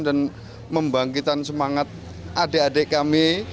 dan membangkitan semangat adik adik kami